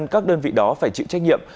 các đơn vị đó phải chịu trách nhiệm